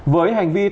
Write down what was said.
với hành vi tài năng